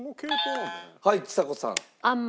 はいちさ子さん。